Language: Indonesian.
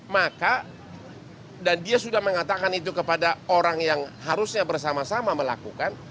maka dan dia sudah mengatakan itu kepada orang yang harusnya bersama sama melakukan